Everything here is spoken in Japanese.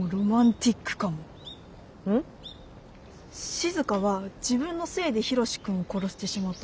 しずかは自分のせいでヒロシ君を殺してしまったと思い込み